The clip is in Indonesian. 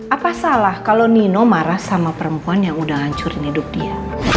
apa salah kalau nino marah sama perempuan yang udah hancurin hidup dia